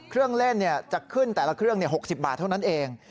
เครื่องเล่นจะขึ้นแต่ละเครื่อง๖๐บาทเท่านั้นเอง